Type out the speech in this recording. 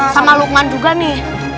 sama lukman juga nih